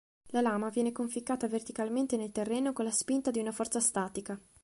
La lama viene conficcata verticalmente nel terreno con la spinta di una forza statica.